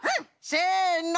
せの！